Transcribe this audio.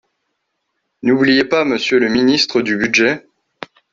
N’oubliez pas Monsieur le ministre du budget